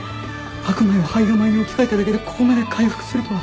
白米を胚芽米に置き換えただけでここまで回復するとは。